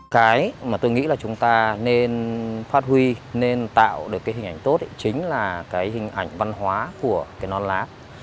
cái mà tôi nghĩ là chúng ta nên phát huy nên tạo được cái hình ảnh tốt chính là cái hình ảnh văn hóa của cái non lá